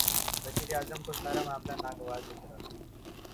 وزیر اعظم کو سارا معاملہ ناگوار گزرا۔